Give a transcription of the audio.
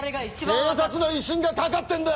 警察の威信が懸かってんだ